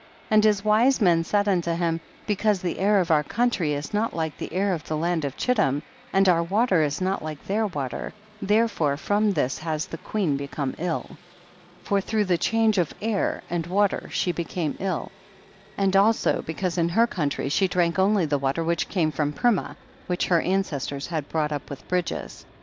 and his wise men said unto him, because the air of our country is not like the air of the land of Chittim, and our water is not like their water, therefore from this has the queen become ill. 19. For through the change of air and water she became ill, and also because in her country she drank only the water which came from Purmah, which her ancestors had brought up with bridges. 20.